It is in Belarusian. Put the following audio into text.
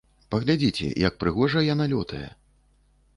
Паглядзіце, як прыгожа яна лётае!